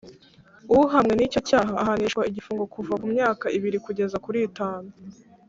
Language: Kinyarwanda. Uhamwe n’icyo cyaha ahanishwa igifungo kuva ku myaka ibiri kugeza kuri itanu